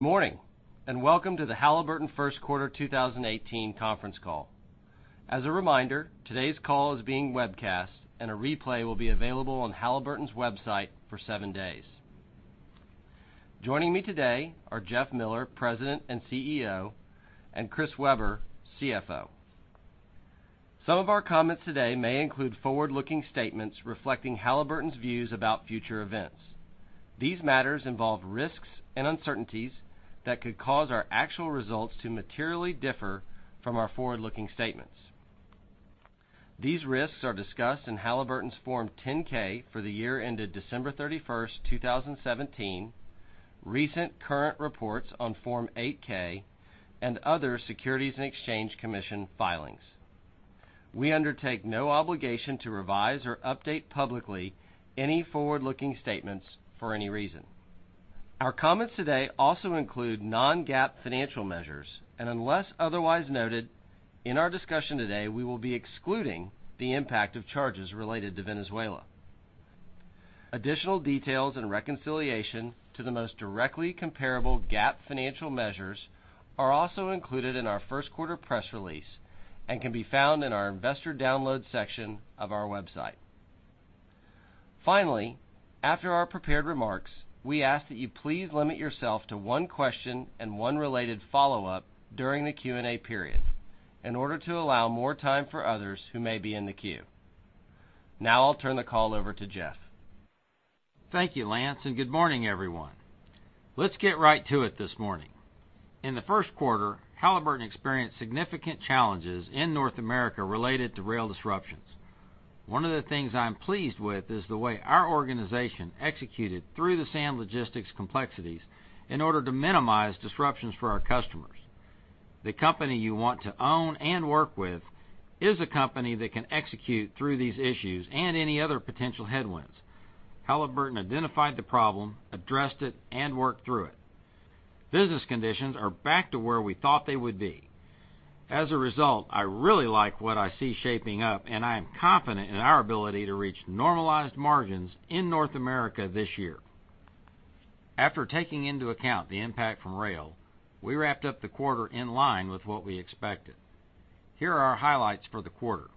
Morning, welcome to the Halliburton Q1 2018 Conference call. As a reminder, today's call is being webcast and a replay will be available on Halliburton's website for seven days. Joining me today are Jeff Miller, President and CEO, and Chris Weber, CFO. Some of our comments today may include forward-looking statements reflecting Halliburton's views about future events. These matters involve risks and uncertainties that could cause our actual results to materially differ from our forward-looking statements. These risks are discussed in Halliburton's Form 10-K for the year ended December 31st, 2017, recent current reports on Form 8-K, and other Securities and Exchange Commission filings. We undertake no obligation to revise or update publicly any forward-looking statements for any reason. Our comments today also include non-GAAP financial measures, and unless otherwise noted in our discussion today, we will be excluding the impact of charges related to Venezuela. Additional details and reconciliation to the most directly comparable GAAP financial measures are also included in our Q1 press release and can be found in our investor download section of our website. Finally, after our prepared remarks, we ask that you please limit yourself to one question and one related follow-up during the Q&A period in order to allow more time for others who may be in the queue. I'll turn the call over to Jeff. Thank you, Lance, and good morning, everyone. Let's get right to it this morning. In the Q1, Halliburton experienced significant challenges in North America related to rail disruptions. One of the things I'm pleased with is the way our organization executed through the sand logistics complexities in order to minimize disruptions for our customers. The company you want to own and work with is a company that can execute through these issues and any other potential headwinds. Halliburton identified the problem, addressed it, and worked through it. Business conditions are back to where we thought they would be. I really like what I see shaping up, and I am confident in our ability to reach normalized margins in North America this year. After taking into account the impact from rail, we wrapped up the quarter in line with what we expected. Here are our highlights for the quarter.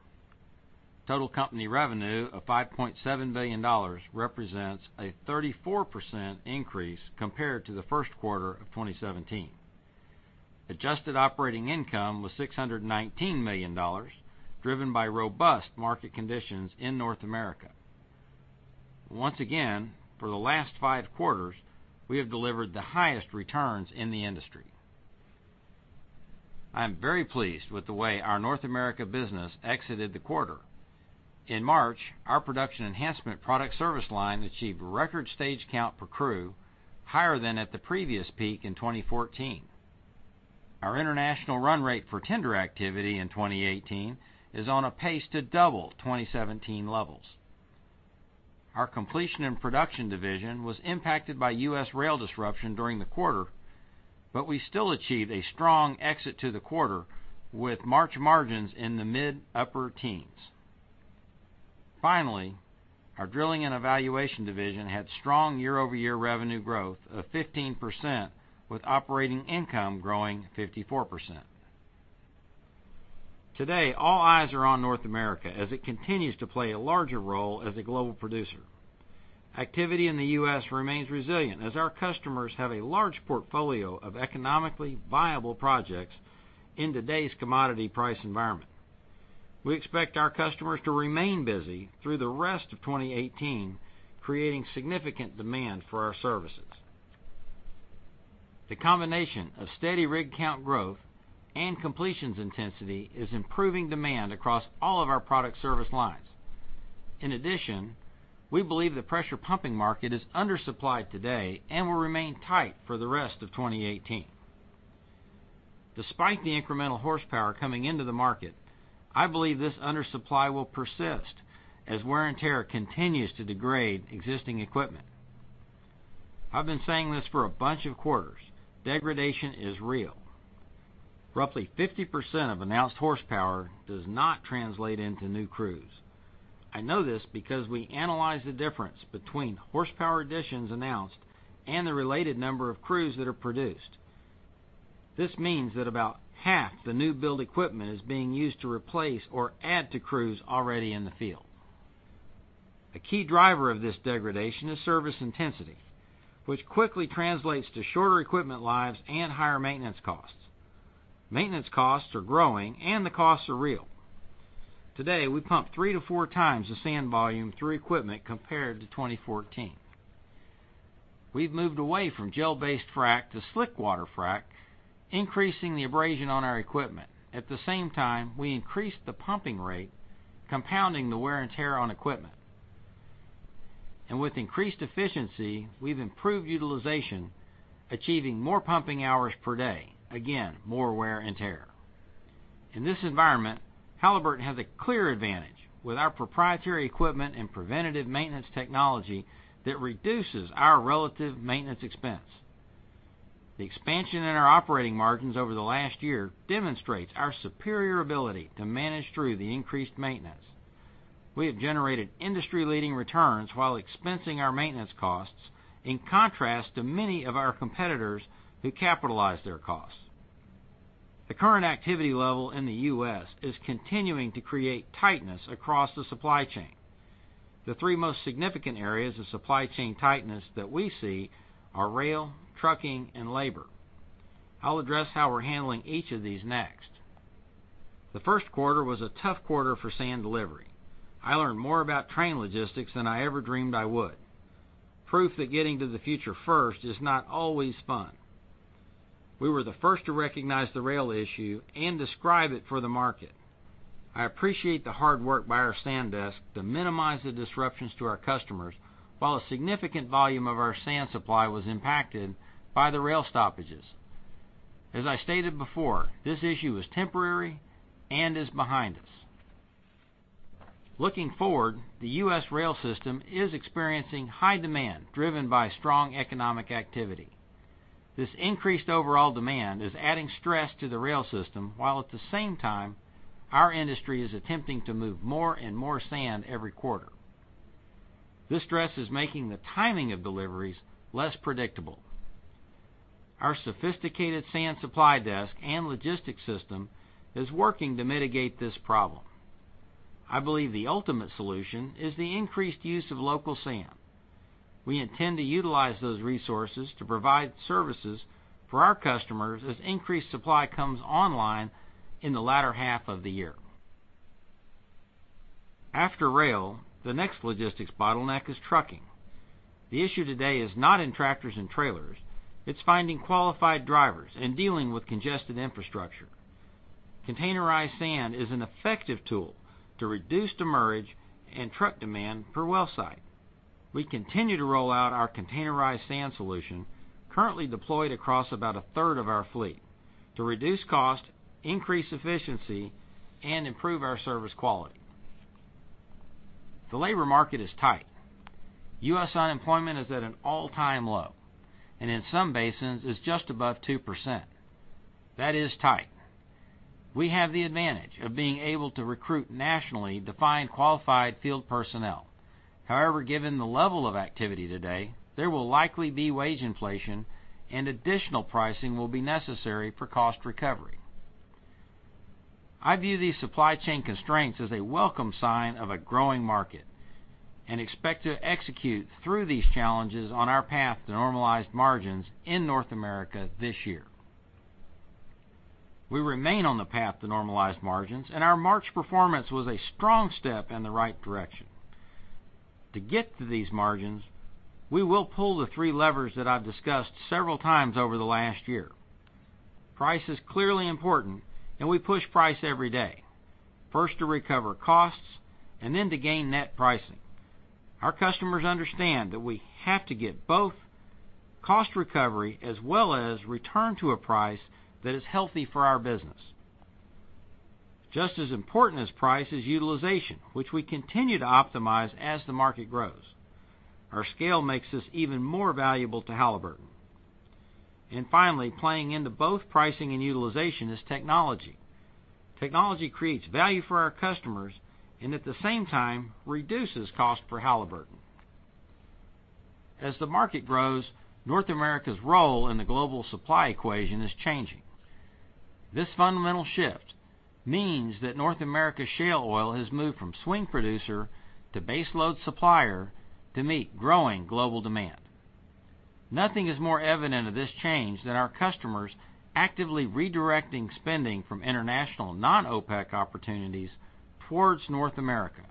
Total company revenue of $5.7 billion represents a 34% increase compared to the Q1 of 2017. Adjusted operating income was $619 million, driven by robust market conditions in North America. Once again, for the last five quarters, we have delivered the highest returns in the industry. I am very pleased with the way our North America business exited the quarter. In March, our production enhancement product service line achieved record stage count per crew, higher than at the previous peak in 2014. Our international run rate for tender activity in 2018 is on a pace to double 2017 levels. Our Completion and Production division was impacted by U.S. rail disruption during the quarter, but we still achieved a strong exit to the quarter with March margins in the mid upper teens. Finally, our Drilling and Evaluation division had strong year-over-year revenue growth of 15%, with operating income growing 54%. Today, all eyes are on North America as it continues to play a larger role as a global producer. Activity in the U.S. remains resilient as our customers have a large portfolio of economically viable projects in today's commodity price environment. We expect our customers to remain busy through the rest of 2018, creating significant demand for our services. The combination of steady rig count growth and completions intensity is improving demand across all of our product service lines. In addition, we believe the pressure pumping market is undersupplied today and will remain tight for the rest of 2018. Despite the incremental horsepower coming into the market, I believe this undersupply will persist as wear and tear continues to degrade existing equipment. I've been saying this for a bunch of quarters. Degradation is real. Roughly 50% of announced horsepower does not translate into new crews. I know this because we analyze the difference between horsepower additions announced and the related number of crews that are produced. This means that about half the new build equipment is being used to replace or add to crews already in the field. A key driver of this degradation is service intensity, which quickly translates to shorter equipment lives and higher maintenance costs. Maintenance costs are growing and the costs are real. Today, we pump three to four times the sand volume through equipment compared to 2014. We've moved away from gel-based frack to slickwater frack, increasing the abrasion on our equipment. At the same time, we increased the pumping rate, compounding the wear and tear on equipment. And with increased efficiency, we've improved utilization, achieving more pumping hours per day. Again, more wear and tear. In this environment, Halliburton has a clear advantage with our proprietary equipment and preventative maintenance technology that reduces our relative maintenance expense. The expansion in our operating margins over the last year demonstrates our superior ability to manage through the increased maintenance. We have generated industry-leading returns while expensing our maintenance costs, in contrast to many of our competitors who capitalize their costs. The current activity level in the U.S. is continuing to create tightness across the supply chain. The three most significant areas of supply chain tightness that we see are rail, trucking, and labor. I'll address how we're handling each of these next. The Q1 was a tough quarter for sand delivery. I learned more about train logistics than I ever dreamed I would. Proof that getting to the future first is not always fun. We were the first to recognize the rail issue and describe it for the market. I appreciate the hard work by our sand desk to minimize the disruptions to our customers while a significant volume of our sand supply was impacted by the rail stoppages. As I stated before, this issue is temporary and is behind us. Looking forward, the U.S. rail system is experiencing high demand driven by strong economic activity. This increased overall demand is adding stress to the rail system, while at the same time, our industry is attempting to move more and more sand every quarter. This stress is making the timing of deliveries less predictable. Our sophisticated sand supply desk and logistics system is working to mitigate this problem. I believe the ultimate solution is the increased use of local sand. We intend to utilize those resources to provide services for our customers as increased supply comes online in the latter half of the year. After rail, the next logistics bottleneck is trucking. The issue today is not in tractors and trailers, it's finding qualified drivers and dealing with congested infrastructure. Containerized sand is an effective tool to reduce demurrage and truck demand per well site. We continue to roll out our containerized sand solution, currently deployed across about a third of our fleet to reduce cost, increase efficiency, and improve our service quality. The labor market is tight. U.S. unemployment is at an all-time low, and in some basins it's just above 2%. That is tight. We have the advantage of being able to recruit nationally to find qualified field personnel. However, given the level of activity today, there will likely be wage inflation and additional pricing will be necessary for cost recovery. I view these supply chain constraints as a welcome sign of a growing market, and expect to execute through these challenges on our path to normalized margins in North America this year. We remain on the path to normalized margins, and our March performance was a strong step in the right direction. To get to these margins, we will pull the three levers that I've discussed several times over the last year. Price is clearly important, and we push price every day. First to recover costs, and then to gain net pricing. Our customers understand that we have to get both cost recovery as well as return to a price that is healthy for our business. Finally, playing into both pricing and utilization is technology. Technology creates value for our customers and at the same time reduces cost for Halliburton. As the market grows, North America's role in the global supply equation is changing. This fundamental shift means that North America's shale oil has moved from swing producer to baseload supplier to meet growing global demand. Nothing is more evident of this change than our customers actively redirecting spending from international non-OPEC opportunities towards North America.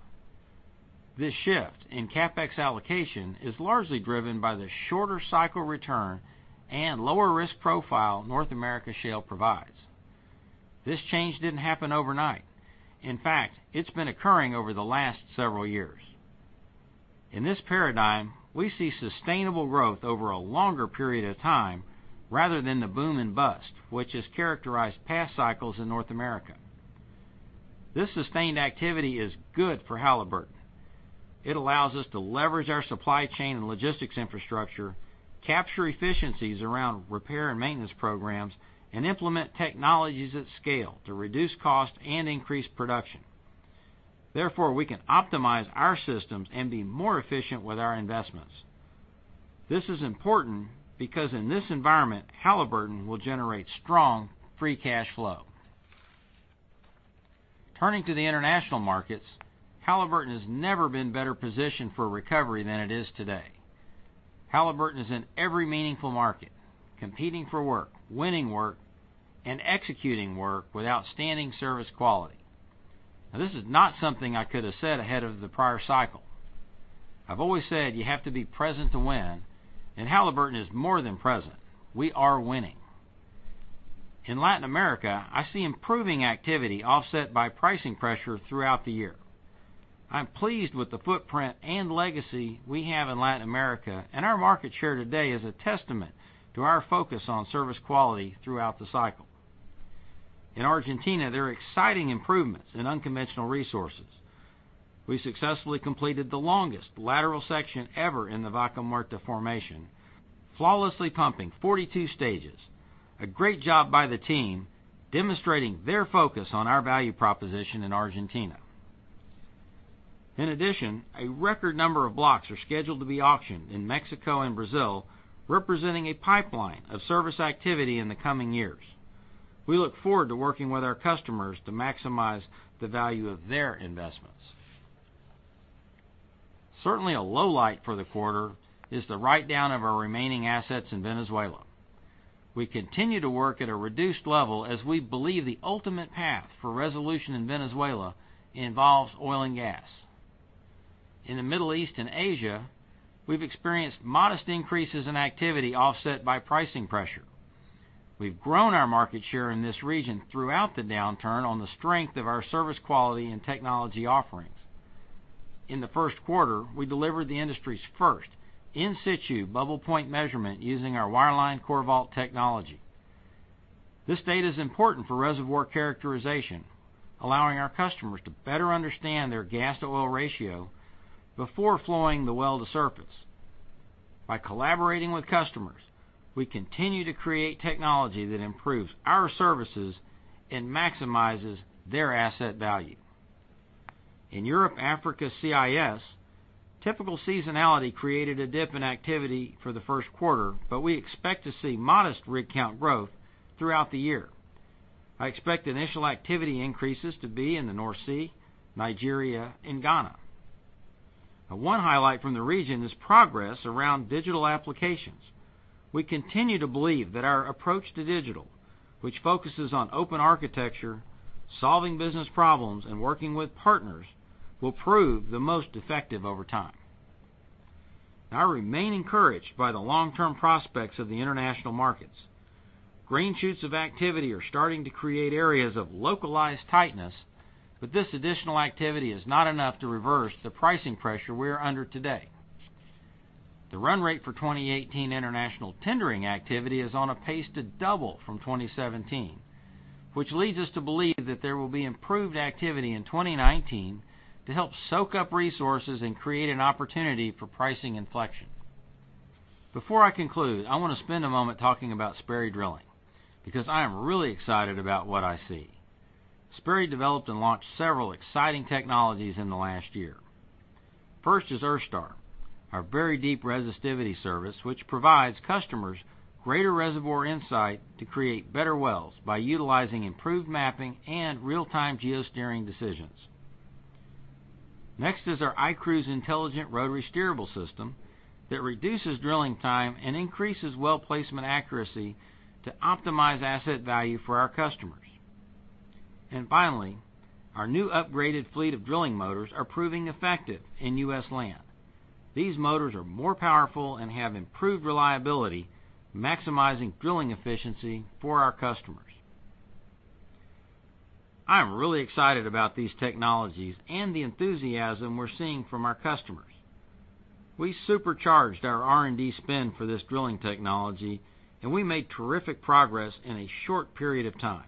This shift in CapEx allocation is largely driven by the shorter cycle return and lower risk profile North America shale provides. This change didn't happen overnight. In fact, it's been occurring over the last several years. Therefore, we can optimize our systems and be more efficient with our investments. This is important because in this environment, Halliburton will generate strong free cash flow. Turning to the international markets, Halliburton has never been better positioned for recovery than it is today. Halliburton is in every meaningful market, competing for work, winning work, and executing work with outstanding service quality. Now, this is not something I could have said ahead of the prior cycle. I've always said you have to be present to win. Halliburton is more than present. We are winning. In Latin America, I see improving activity offset by pricing pressure throughout the year. I'm pleased with the footprint and legacy we have in Latin America, and our market share today is a testament to our focus on service quality throughout the cycle. In Argentina, there are exciting improvements in unconventional resources. We successfully completed the longest lateral section ever in the Vaca Muerta formation, flawlessly pumping 42 stages, a great job by the team, demonstrating their focus on our value proposition in Argentina. In addition, a record number of blocks are scheduled to be auctioned in Mexico and Brazil, representing a pipeline of service activity in the coming years. We look forward to working with our customers to maximize the value of their investments. Certainly, a lowlight for the quarter is the write-down of our remaining assets in Venezuela. We continue to work at a reduced level as we believe the ultimate path for resolution in Venezuela involves oil and gas. In the Middle East and Asia, we've experienced modest increases in activity offset by pricing pressure. We've grown our market share in this region throughout the downturn on the strength of our service quality and technology offerings. In the Q1, we delivered the industry's first in-situ bubble point measurement using our wireline CoreVault technology. This data is important for reservoir characterization, allowing our customers to better understand their gas-to-oil ratio before flowing the well to surface. By collaborating with customers, we continue to create technology that improves our services and maximizes their asset value. In Europe, Africa, CIS, typical seasonality created a dip in activity for the Q1. We expect to see modest rig count growth throughout the year. I expect initial activity increases to be in the North Sea, Nigeria, and Ghana. Now, one highlight from the region is progress around digital applications. We continue to believe that our approach to digital, which focuses on open architecture, solving business problems, and working with partners, will prove the most effective over time. I remain encouraged by the long-term prospects of the international markets. Green shoots of activity are starting to create areas of localized tightness. This additional activity is not enough to reverse the pricing pressure we are under today. The run rate for 2018 international tendering activity is on a pace to double from 2017. Which leads us to believe that there will be improved activity in 2019 to help soak up resources and create an opportunity for pricing inflection. Before I conclude, I want to spend a moment talking about Sperry Drilling because I am really excited about what I see. Sperry developed and launched several exciting technologies in the last year. First is EarthStar, our very deep resistivity service, which provides customers greater reservoir insight to create better wells by utilizing improved mapping and real-time geosteering decisions. Next is our iCruise intelligent rotary steerable system that reduces drilling time and increases well placement accuracy to optimize asset value for our customers. Finally, our new upgraded fleet of drilling motors are proving effective in U.S. land. These motors are more powerful and have improved reliability, maximizing drilling efficiency for our customers. I am really excited about these technologies and the enthusiasm we're seeing from our customers. We supercharged our R&D spend for this drilling technology, and we made terrific progress in a short period of time.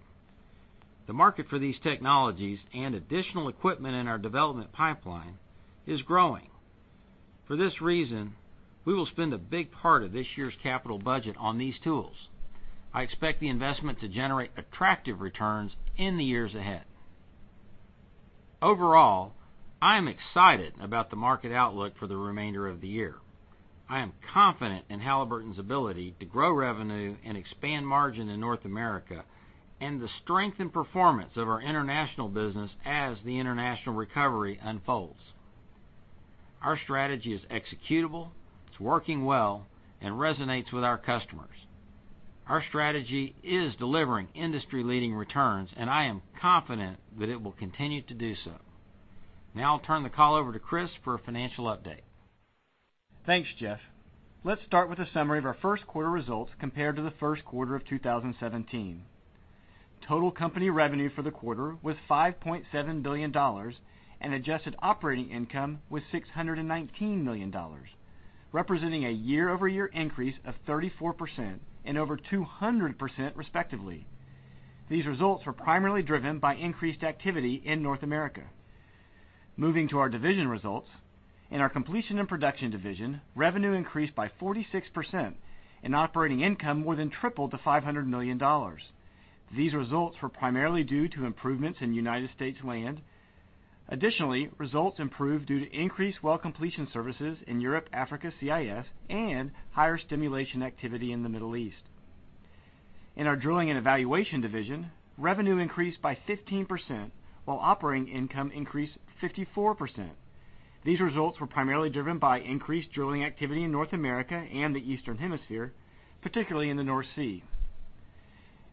The market for these technologies and additional equipment in our development pipeline is growing. For this reason, we will spend a big part of this year's capital budget on these tools. I expect the investment to generate attractive returns in the years ahead. Overall, I am excited about the market outlook for the remainder of the year. I am confident in Halliburton's ability to grow revenue and expand margin in North America, and the strength and performance of our international business as the international recovery unfolds. Our strategy is executable, it's working well, and resonates with our customers. Our strategy is delivering industry-leading returns, and I am confident that it will continue to do so. I'll turn the call over to Chris for a financial update. Thanks, Jeff. Let's start with a summary of our Q1 results compared to the Q1 of 2017. Total company revenue for the quarter was $5.7 billion, and adjusted operating income was $619 million, representing a year-over-year increase of 34% and over 200% respectively. These results were primarily driven by increased activity in North America. Moving to our division results. In our Completion and Production Division, revenue increased by 46%, and operating income more than tripled to $500 million. These results were primarily due to improvements in U.S. land. Additionally, results improved due to increased well completion services in Europe, Africa, CIS, and higher stimulation activity in the Middle East. In our Drilling and Evaluation Division, revenue increased by 15%, while operating income increased 54%. These results were primarily driven by increased drilling activity in North America and the Eastern Hemisphere, particularly in the North Sea.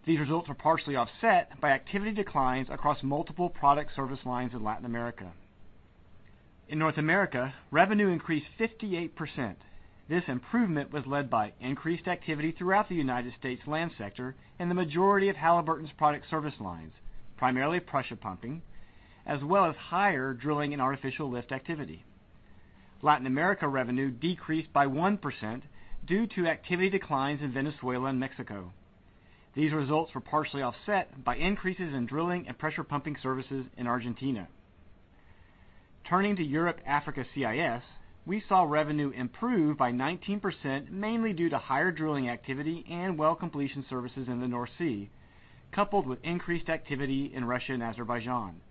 These results were partially offset by activity declines across multiple product service lines in Latin America. In North America, revenue increased 58%. This improvement was led by increased activity throughout the U.S. land sector and the majority of Halliburton's product service lines, primarily pressure pumping, as well as higher drilling and artificial lift activity. Latin America revenue decreased by 1% due to activity declines in Venezuela and Mexico. These results were partially offset by increases in drilling and pressure pumping services in Argentina. Turning to Europe, Africa, CIS, we saw revenue improve by 19%, mainly due to higher drilling activity and well completion services in the North Sea, coupled with increased activity in Russia and Azerbaijan.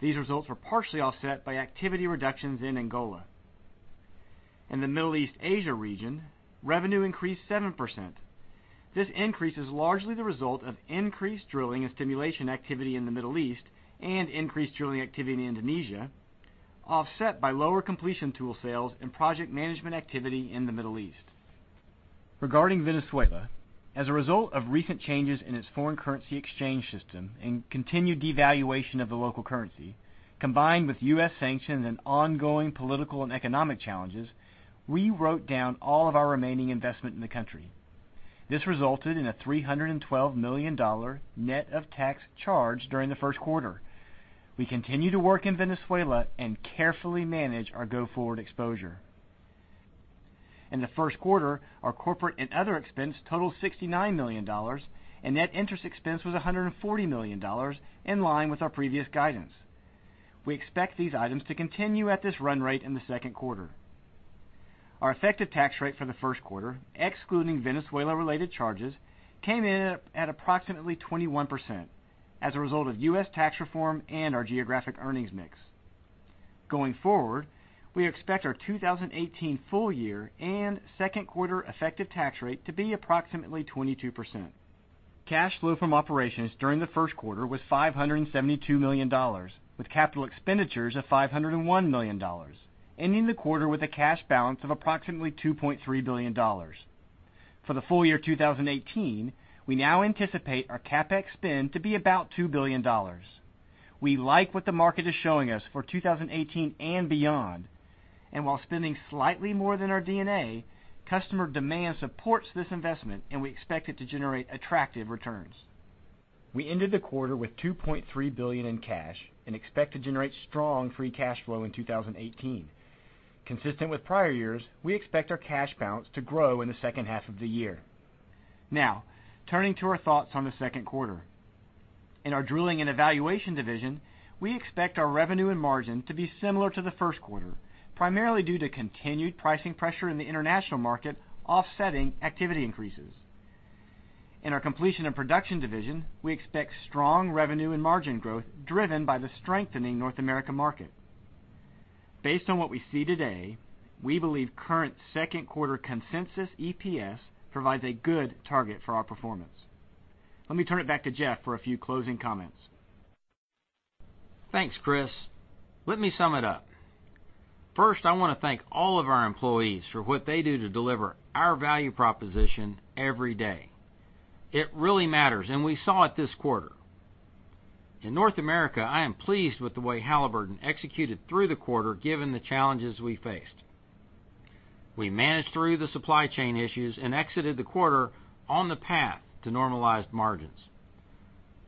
These results were partially offset by activity reductions in Angola. In the Middle East/Asia region, revenue increased 7%. This increase is largely the result of increased drilling and stimulation activity in the Middle East and increased drilling activity in Indonesia, offset by lower completion tool sales and project management activity in the Middle East. Regarding Venezuela, as a result of recent changes in its foreign currency exchange system and continued devaluation of the local currency, combined with U.S. sanctions and ongoing political and economic challenges, we wrote down all of our remaining investment in the country. This resulted in a $312 million net of tax charge during the Q1. We continue to work in Venezuela and carefully manage our go-forward exposure. In the Q1, our corporate and other expense totaled $69 million, and net interest expense was $140 million, in line with our previous guidance. We expect these items to continue at this run rate in the Q2. Our effective tax rate for the Q1, excluding Venezuela-related charges, came in at approximately 21% as a result of U.S. tax reform and our geographic earnings mix. Going forward, we expect our 2018 full year and Q2 effective tax rate to be approximately 22%. Cash flow from operations during the Q1 was $572 million, with capital expenditures of $501 million, ending the quarter with a cash balance of approximately $2.3 billion. For the full year 2018, we now anticipate our CapEx spend to be about $2 billion. While spending slightly more than our D&A, customer demand supports this investment, and we expect it to generate attractive returns. We ended the quarter with $2.3 billion in cash and expect to generate strong free cash flow in 2018. Consistent with prior years, we expect our cash balance to grow in the second half of the year. Now, turning to our thoughts on the Q2. In our Drilling and Evaluation division, we expect our revenue and margin to be similar to the Q1, primarily due to continued pricing pressure in the international market offsetting activity increases. In our Completion and Production division, we expect strong revenue and margin growth driven by the strengthening North America market. Based on what we see today, we believe current Q2 consensus EPS provides a good target for our performance. Let me turn it back to Jeff for a few closing comments. Thanks, Chris. Let me sum it up. First, I want to thank all of our employees for what they do to deliver our value proposition every day. It really matters, and we saw it this quarter. In North America, I am pleased with the way Halliburton executed through the quarter given the challenges we faced. We managed through the supply chain issues and exited the quarter on the path to normalized margins.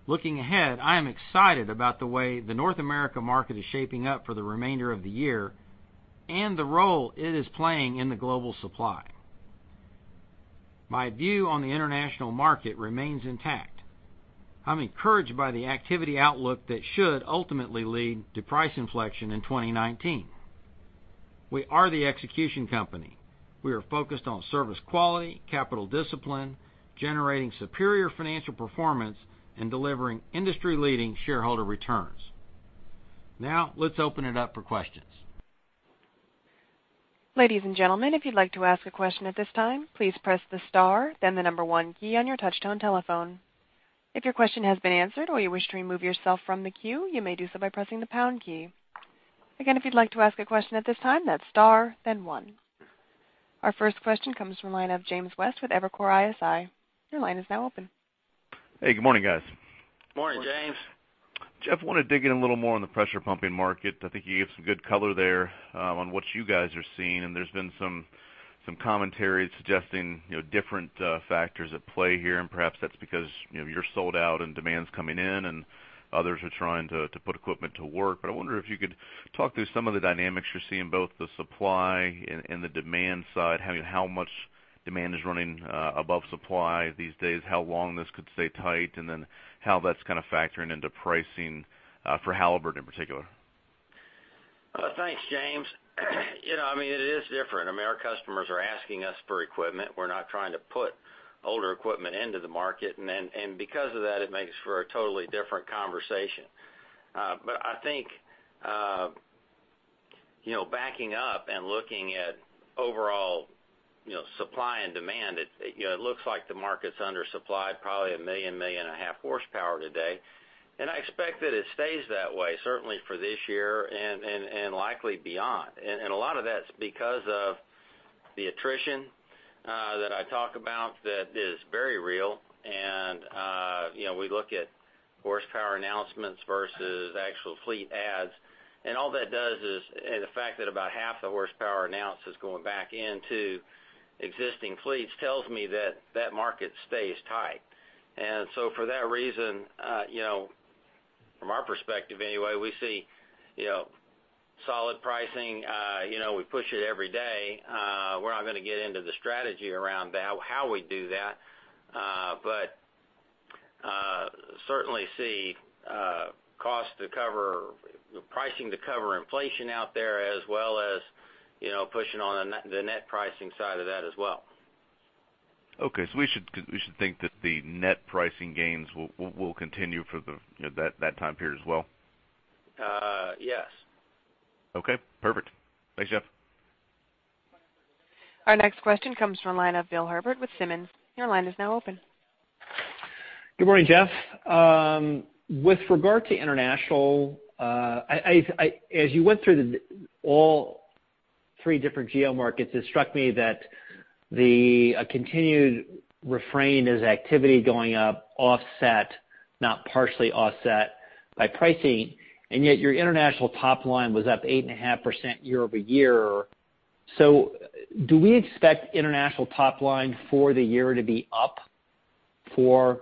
Looking ahead, I am excited about the way the North America market is shaping up for the remainder of the year and the role it is playing in the global supply. My view on the international market remains intact. I'm encouraged by the activity outlook that should ultimately lead to price inflection in 2019. We are the execution company. We are focused on service quality, capital discipline, generating superior financial performance, and delivering industry-leading shareholder returns. Now, let's open it up for questions. Ladies and gentlemen, if you'd like to ask a question at this time, please press the star, then the number one key on your touchtone telephone. If your question has been answered or you wish to remove yourself from the queue, you may do so by pressing the pound key. Again, if you'd like to ask a question at this time, that's star, then one. Our first question comes from line of James West with Evercore ISI. Your line is now open. Hey, good morning, guys. Morning, James. I want to dig in a little more on the pressure pumping market. I think you gave some good color there on what you guys are seeing. There's been some commentary suggesting different factors at play here. Perhaps that's because you're sold out and demand's coming in, and others are trying to put equipment to work. I wonder if you could talk through some of the dynamics you're seeing, both the supply and the demand side, how much demand is running above supply these days, how long this could stay tight, and then how that's kind of factoring into pricing for Halliburton in particular. Thanks, James. It is different. Our customers are asking us for equipment. We're not trying to put older equipment into the market. Because of that, it makes for a totally different conversation. I think, backing up and looking at overall supply and demand, it looks like the market's undersupplied probably 1 million, 1.5 million horsepower today. I expect that it stays that way, certainly for this year and likely beyond. A lot of that's because of the attrition that I talk about that is very real. We look at horsepower announcements versus actual fleet adds, and all that does is, the fact that about half the horsepower announced is going back into existing fleets tells me that that market stays tight. For that reason, from our perspective anyway, we see solid pricing. We push it every day. We're not going to get into the strategy around how we do that. Certainly see costs to cover, pricing to cover inflation out there, as well as pushing on the net pricing side of that as well. Okay. We should think that the net pricing gains will continue for that time period as well? Yes. Okay. Perfect. Thanks, Jeff. Our next question comes from the line of Bill Herbert with Simmons. Your line is now open. Good morning, Jeff. With regard to international, as you went through all three different geo markets, it struck me that the continued refrain is activity going up offset, not partially offset by pricing, and yet your international top line was up 8.5% year-over-year. Do we expect international top line for the year to be up for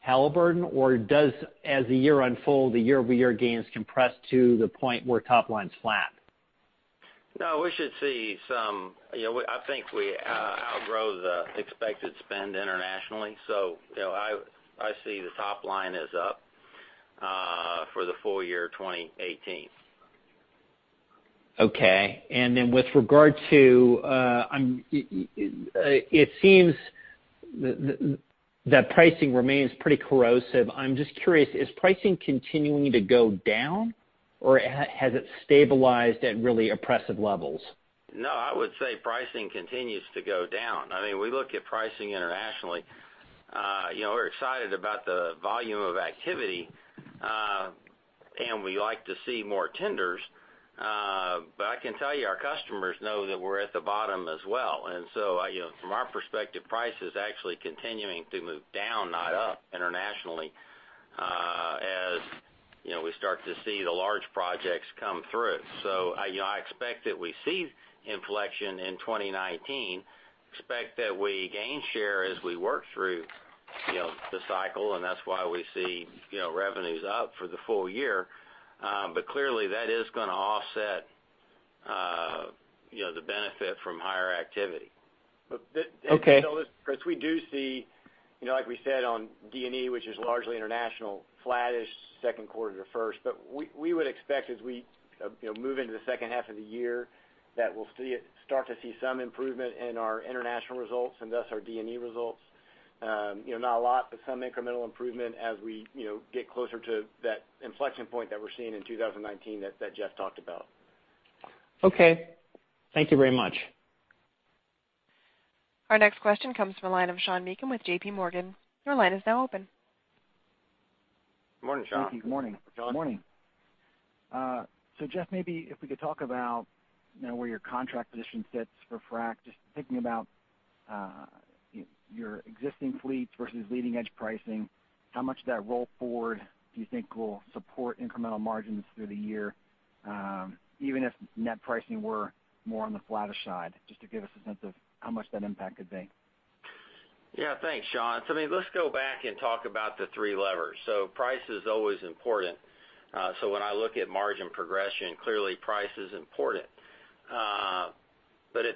Halliburton, or does as the year unfold, the year-over-year gains compress to the point where top line's flat? We should see some. I think I outgrow the expected spend internationally. I see the top line is up for the full year 2018. Okay. With regard to it seems that pricing remains pretty corrosive. I'm just curious, is pricing continuing to go down, or has it stabilized at really oppressive levels? No, I would say pricing continues to go down. We look at pricing internationally. We're excited about the volume of activity, and we like to see more tenders. I can tell you, our customers know that we're at the bottom as well. From our perspective, price is actually continuing to move down, not up internationally, as we start to see the large projects come through. I expect that we see inflection in 2019, expect that we gain share as we work through the cycle, and that's why we see revenues up for the full year. Clearly, that is going to offset the benefit from higher activity. Okay. Chris, we do see, like we said on D&E, which is largely international, flattish Q2 to first. We would expect as we move into the second half of the year, that we'll start to see some improvement in our international results, and thus our D&E results. Not a lot, but some incremental improvement as we get closer to that inflection point that we're seeing in 2019 that Jeff talked about. Okay. Thank you very much. Our next question comes from the line of Sean Meakim with JPMorgan. Your line is now open. Morning, Sean. Thank you. Morning. Sean. Morning. Jeff, maybe if we could talk about where your contract position sits for frac. Just thinking about your existing fleets versus leading-edge pricing, how much of that roll forward do you think will support incremental margins through the year, even if net pricing were more on the flattish side, just to give us a sense of how much that impact could be. Yeah. Thanks, Sean. Let's go back and talk about the three levers. Price is always important. When I look at margin progression, clearly price is important. At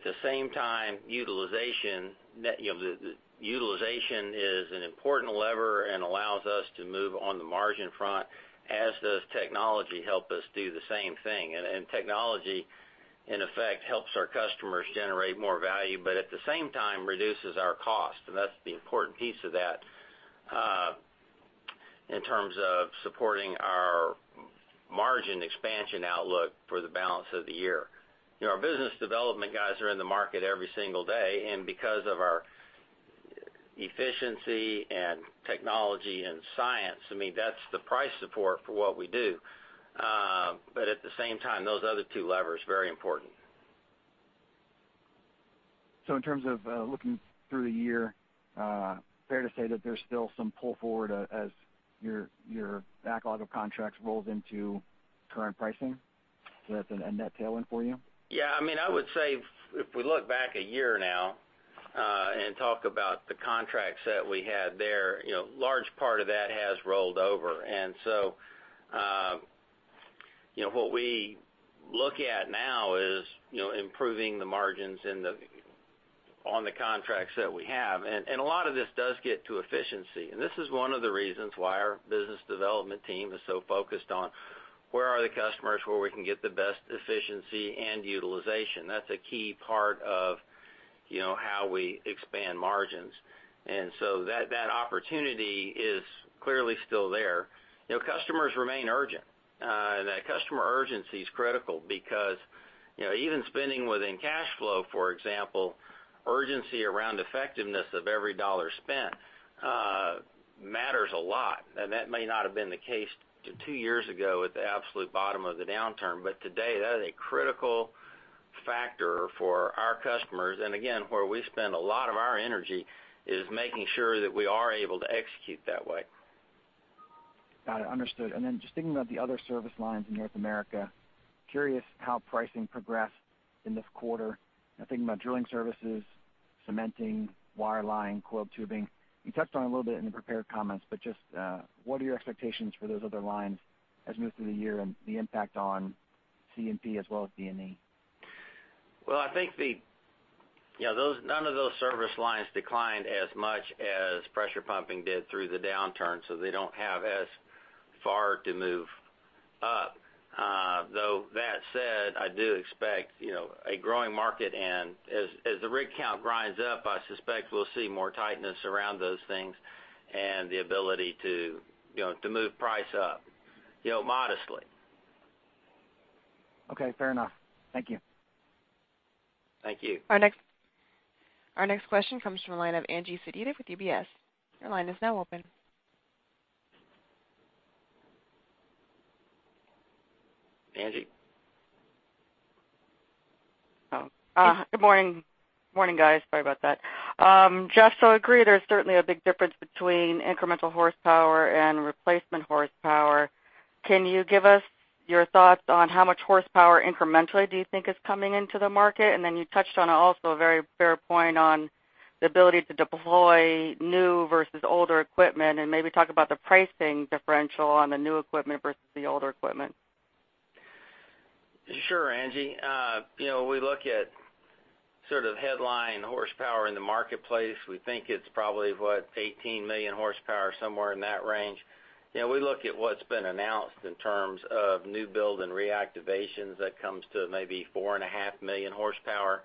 the same time, utilization is an important lever and allows us to move on the margin front, as does technology help us do the same thing. Technology, in effect, helps our customers generate more value, but at the same time reduces our cost. That's the important piece of that in terms of supporting our margin expansion outlook for the balance of the year. Our business development guys are in the market every single day, and because of our efficiency and technology and science, that's the price support for what we do. At the same time, those other two levers, very important. In terms of looking through the year, fair to say that there's still some pull forward as your backlog of contracts rolls into current pricing? That's a net tailwind for you? Yeah. I would say if we look back a year now, and talk about the contracts that we had there, large part of that has rolled over. What we look at now is improving the margins on the contracts that we have. A lot of this does get to efficiency. This is one of the reasons why our business development team is so focused on where are the customers where we can get the best efficiency and utilization. That's a key part of how we expand margins. That opportunity is clearly still there. Customers remain urgent. That customer urgency is critical because even spending within cash flow, for example, urgency around effectiveness of every dollar spent matters a lot. That may not have been the case two years ago at the absolute bottom of the downturn. Today, that is a critical factor for our customers. Again, where we spend a lot of our energy is making sure that we are able to execute that way. Got it. Understood. Then just thinking about the other service lines in North America, curious how pricing progressed in this quarter. I am thinking about drilling services, cementing, wireline, coiled tubing. You touched on it a little bit in the prepared comments, but just what are your expectations for those other lines as we move through the year and the impact on C&P as well as D&E? Well, I think none of those service lines declined as much as pressure pumping did through the downturn, so they do not have as far to move up. That said, I do expect a growing market, and as the rig count grinds up, I suspect we will see more tightness around those things and the ability to move price up modestly. Okay, fair enough. Thank you. Thank you. Our next question comes from the line of Angie Sedita with UBS. Your line is now open. Angie? Good morning. Morning, guys. Sorry about that. Jeff, I agree, there's certainly a big difference between incremental horsepower and replacement horsepower. Can you give us your thoughts on how much horsepower incrementally do you think is coming into the market? You touched on also a very fair point on the ability to deploy new versus older equipment and maybe talk about the pricing differential on the new equipment versus the older equipment. Sure, Angie. We look at sort of headline horsepower in the marketplace. We think it's probably, what, 18 million horsepower, somewhere in that range. We look at what's been announced in terms of new build and reactivations. That comes to maybe four and a half million horsepower.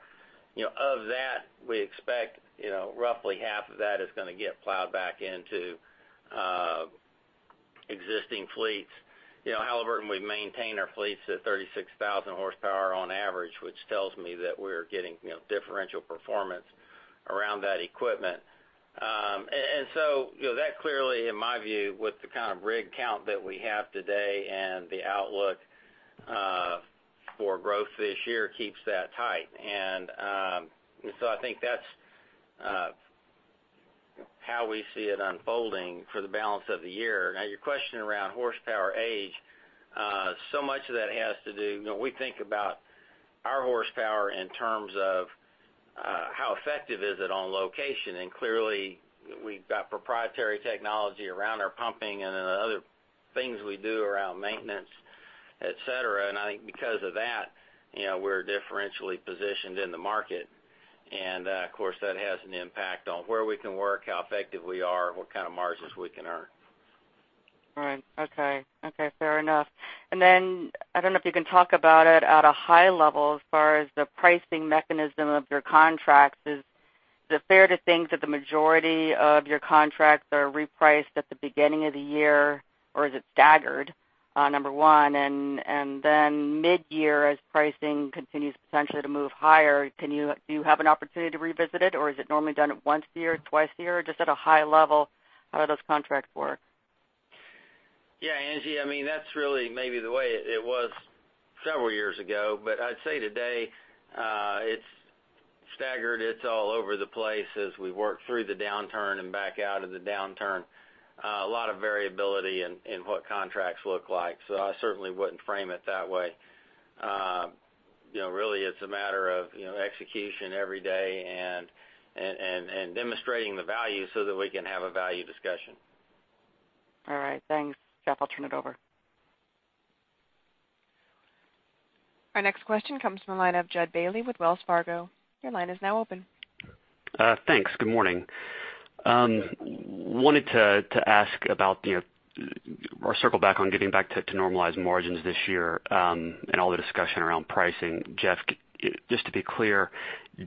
Of that, we expect roughly half of that is going to get plowed back into existing fleets. Halliburton, we maintain our fleets at 36,000 horsepower on average, which tells me that we're getting differential performance around that equipment. That clearly, in my view, with the kind of rig count that we have today and the outlook for growth this year keeps that tight. I think that's how we see it unfolding for the balance of the year. Your question around horsepower age. We think about our horsepower in terms of how effective is it on location, clearly we've got proprietary technology around our pumping and then other things we do around maintenance, et cetera, I think because of that, we're differentially positioned in the market. Of course, that has an impact on where we can work, how effective we are, what kind of margins we can earn. Right. Okay. Fair enough. I don't know if you can talk about it at a high level as far as the pricing mechanism of your contracts. Is it fair to think that the majority of your contracts are repriced at the beginning of the year, or is it staggered, number one? Mid-year as pricing continues potentially to move higher, do you have an opportunity to revisit it, or is it normally done once a year, twice a year? Just at a high level, how do those contracts work? Yeah, Angie. That's really maybe the way it was several years ago. I'd say today it's staggered. It's all over the place as we work through the downturn and back out of the downturn. A lot of variability in what contracts look like. I certainly wouldn't frame it that way. Really, it's a matter of execution every day and demonstrating the value so that we can have a value discussion. All right. Thanks, Jeff. I'll turn it over. Our next question comes from the line of Jud Bailey with Wells Fargo. Your line is now open. Thanks. Good morning. Wanted to ask about or circle back on getting back to normalized margins this year and all the discussion around pricing. Jeff, just to be clear,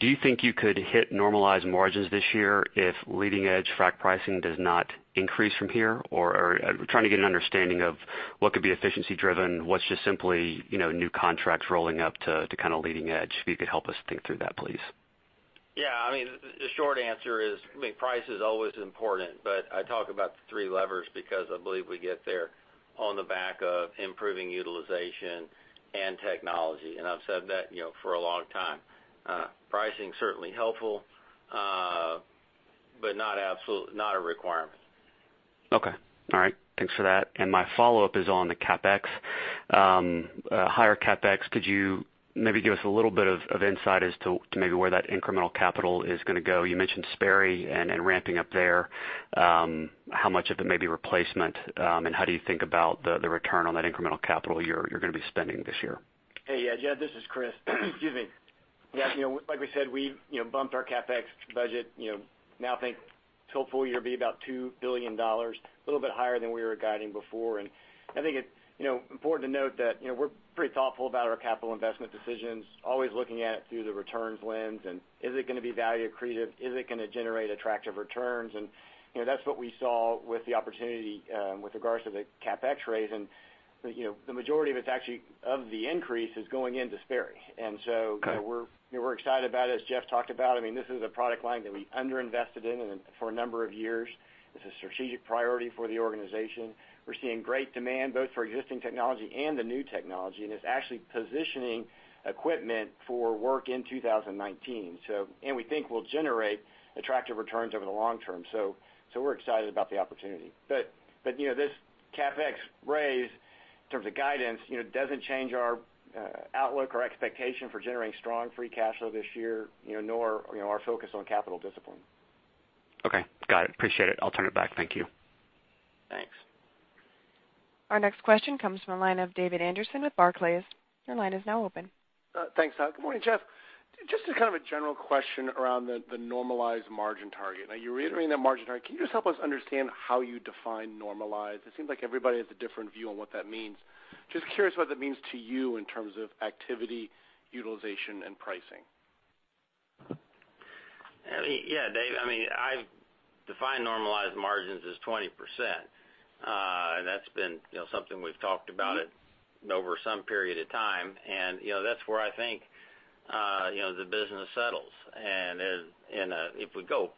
do you think you could hit normalized margins this year if leading-edge frac pricing does not increase from here? Trying to get an understanding of what could be efficiency driven, what's just simply new contracts rolling up to kind of leading edge, if you could help us think through that, please. Yeah. The short answer is price is always important, but I talk about the three levers because I believe we get there on the back of improving utilization and technology, and I've said that for a long time. Pricing's certainly helpful, but not a requirement. Okay. All right. Thanks for that. My follow-up is on the CapEx. Higher CapEx. Could you maybe give us a little bit of insight as to maybe where that incremental capital is going to go? You mentioned Sperry Drilling and ramping up there. How much of it may be replacement, and how do you think about the return on that incremental capital you're going to be spending this year? Hey, yeah, Jud, this is Chris. Excuse me. Yeah. Like we said, we bumped our CapEx budget. Think it's hopefully going to be about $2 billion. A little bit higher than we were guiding before. I think it's important to note that we're pretty thoughtful about our capital investment decisions, always looking at it through the returns lens, and is it going to be value accretive? Is it going to generate attractive returns? That's what we saw with the opportunity with regards to the CapEx raise. The majority of the increase is going into Sperry Drilling. Okay We're excited about it, as Jeff talked about. This is a product line that we underinvested in for a number of years. It's a strategic priority for the organization. We're seeing great demand both for existing technology and the new technology, and it's actually positioning equipment for work in 2019. We think we'll generate attractive returns over the long term. We're excited about the opportunity. This CapEx raise in terms of guidance doesn't change our outlook or expectation for generating strong free cash flow this year, nor our focus on capital discipline. Okay. Got it. Appreciate it. I'll turn it back. Thank you. Thanks. Our next question comes from the line of David Anderson with Barclays. Your line is now open. Thanks. Good morning, Jeff. Just a kind of a general question around the normalized margin target. You're reiterating that margin target. Can you just help us understand how you define normalized? It seems like everybody has a different view on what that means. Curious what that means to you in terms of activity, utilization, and pricing. Yeah. Dave, I define normalized margins as 20%. That's been something we've talked about over some period of time, and that's where I think the business settles. If we go,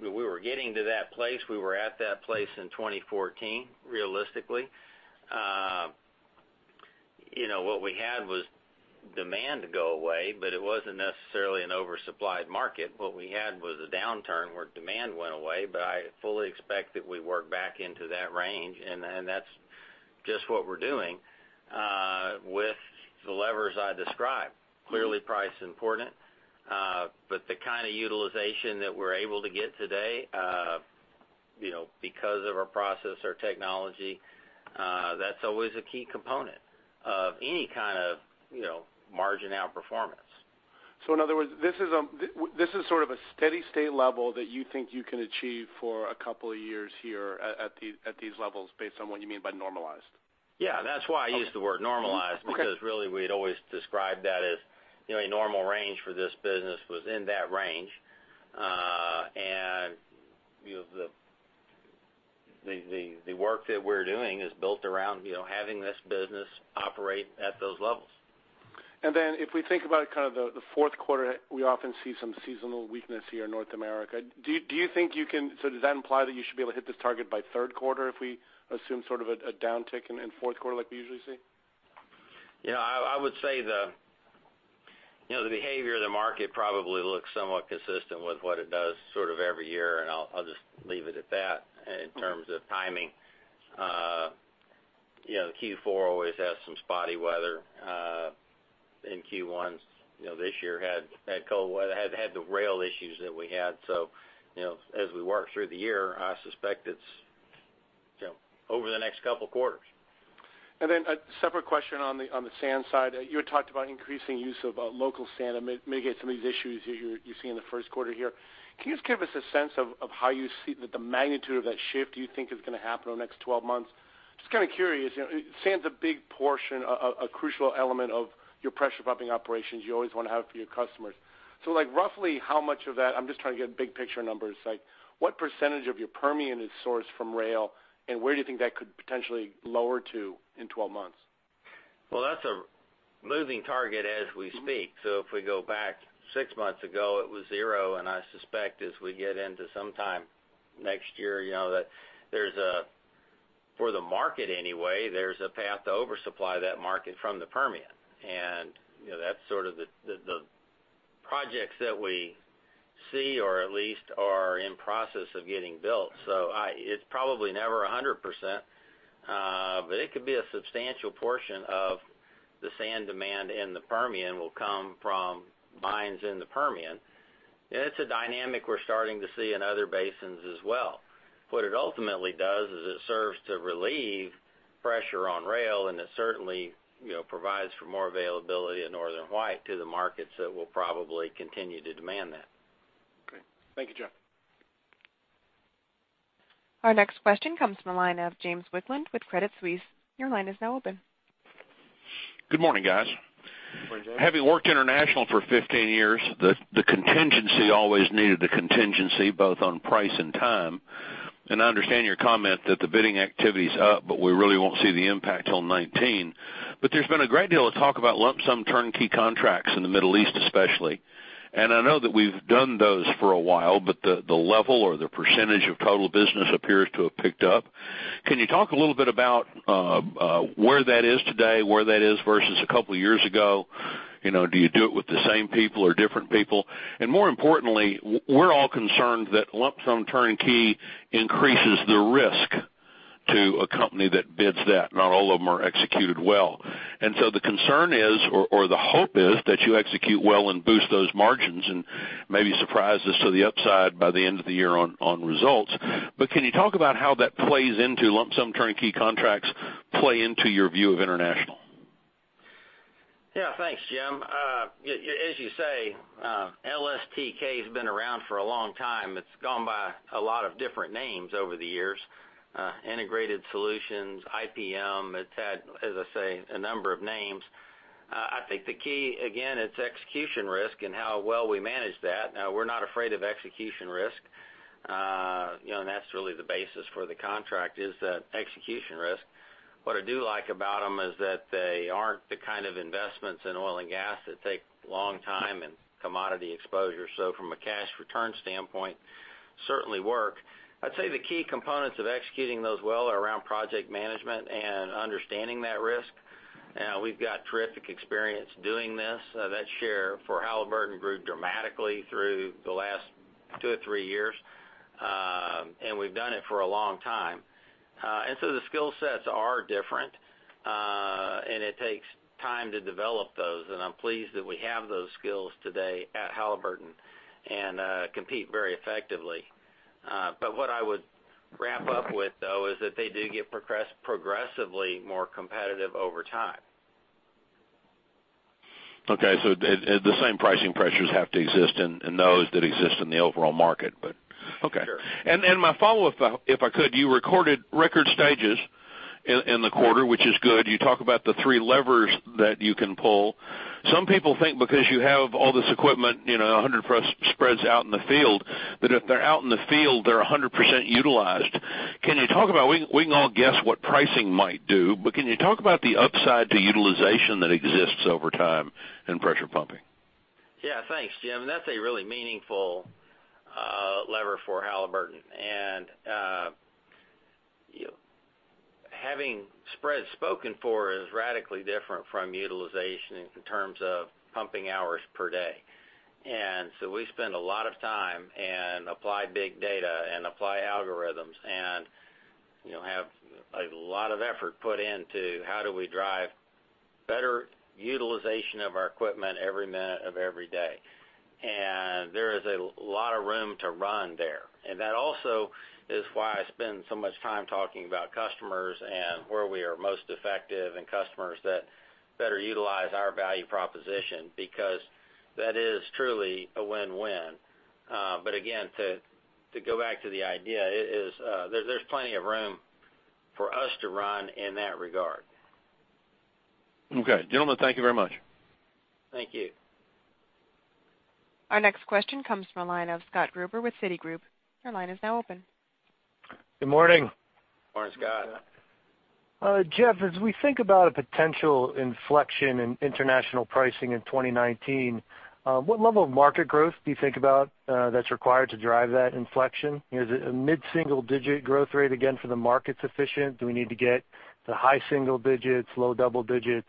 we were getting to that place. We were at that place in 2014, realistically. What we had was demand go away, but it wasn't necessarily an oversupplied market. What we had was a downturn where demand went away, but I fully expect that we work back into that range, and that's just what we're doing with the levers I described. Clearly, price is important. The kind of utilization that we're able to get today, because of our process, our technology, that's always a key component of any kind of margin outperformance. In other words, this is sort of a steady state level that you think you can achieve for a couple of years here at these levels based on what you mean by normalized. Yeah. That's why I use the word normalized, because really, we'd always described that as a normal range for this business was in that range. The work that we're doing is built around having this business operate at those levels. If we think about kind of the Q4, we often see some seasonal weakness here in North America. Does that imply that you should be able to hit this target by Q3 if we assume sort of a downtick in Q4 like we usually see? I would say the behavior of the market probably looks somewhat consistent with what it does sort of every year. I'll just leave it at that in terms of timing. Q4 always has some spotty weather. Q1 this year had cold weather, had the rail issues that we had. As we work through the year, I suspect it's over the next couple of quarters. Then a separate question on the sand side. You had talked about increasing use of local sand, mitigating some of these issues you're seeing in the Q1 here. Can you just give us a sense of how you see the magnitude of that shift you think is going to happen over the next 12 months? Just kind of curious. Sand's a big portion, a crucial element of your pressure pumping operations you always want to have for your customers. Like roughly how much of that, I'm just trying to get big picture numbers, like what % of your Permian is sourced from rail, and where do you think that could potentially lower to in 12 months? Well, that's a moving target as we speak. If we go back six months ago, it was zero. I suspect as we get into sometime next year, for the market anyway, there's a path to oversupply that market from the Permian. That's sort of the projects that we see or at least are in process of getting built. It's probably never 100%, but it could be a substantial portion of the sand demand in the Permian will come from mines in the Permian. It's a dynamic we're starting to see in other basins as well. What it ultimately does is it serves to relieve pressure on rail, and it certainly provides for more availability of Northern White to the markets that will probably continue to demand that. Okay. Thank you, Jeff. Our next question comes from the line of James Wicklund with Credit Suisse. Your line is now open. Good morning, guys. Morning, James. Having worked international for 15 years, the contingency always needed a contingency, both on price and time. I understand your comment that the bidding activity's up, we really won't see the impact till 2019. There's been a great deal of talk about lump-sum turnkey contracts in the Middle East especially. I know that we've done those for a while, but the level or the percentage of total business appears to have picked up. Can you talk a little bit about where that is today, where that is versus a couple of years ago? Do you do it with the same people or different people? More importantly, we're all concerned that lump-sum turnkey increases the risk to a company that bids that. Not all of them are executed well. The concern is, or the hope is that you execute well and boost those margins and maybe surprise us to the upside by the end of the year on results. Can you talk about how that plays into lump-sum turnkey contracts play into your view of international? Thanks, Jim. As you say, LSTK has been around for a long time. It's gone by a lot of different names over the years. Integrated Solutions, IPM. It's had, as I say, a number of names. I think the key, again, it's execution risk and how well we manage that. We're not afraid of execution risk. That's really the basis for the contract is that execution risk. What I do like about them is that they aren't the kind of investments in oil and gas that take long time and commodity exposure. From a cash return standpoint, certainly work. I'd say the key components of executing those well are around project management and understanding that risk. We've got terrific experience doing this. That share for Halliburton grew dramatically through the last two or three years. We've done it for a long time. The skill sets are different. It takes time to develop those, and I'm pleased that we have those skills today at Halliburton and compete very effectively. What I would wrap up with, though, is that they do get progressively more competitive over time. Okay. The same pricing pressures have to exist in those that exist in the overall market, but okay. Sure. My follow-up, if I could, you recorded record stages in the quarter, which is good. You talk about the three levers that you can pull. Some people think because you have all this equipment, 100 spreads out in the field, that if they're out in the field, they're 100% utilized. We can all guess what pricing might do. Can you talk about the upside to utilization that exists over time in pressure pumping? Thanks, Jim. That's a really meaningful lever for Halliburton. Having spreads spoken for is radically different from utilization in terms of pumping hours per day. So we spend a lot of time and apply big data and apply algorithms and have a lot of effort put into how do we drive better utilization of our equipment every minute of every day. There is a lot of room to run there. That also is why I spend so much time talking about customers and where we are most effective and customers that better utilize our value proposition, because that is truly a win-win. Again, to go back to the idea, there's plenty of room for us to run in that regard. Gentlemen, thank you very much. Thank you. Our next question comes from the line of Scott Gruber with Citigroup. Your line is now open. Good morning. Morning, Scott. Jeff, as we think about a potential inflection in international pricing in 2019, what level of market growth do you think about that's required to drive that inflection? Is it a mid-single digit growth rate again for the market sufficient? Do we need to get to high single digits, low double digits?